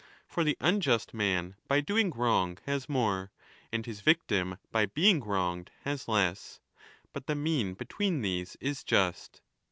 For the unjust man by doing wrong has more, and his victim by being wronged has less ; but the mean between these is just.